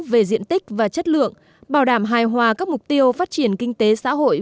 về diện tích và chất lượng bảo đảm hài hòa các mục tiêu phát triển kinh tế xã hội